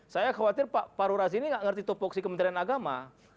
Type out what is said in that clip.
saya khawatir pak pak horasi ini gak ngerti topoksi kementerian agama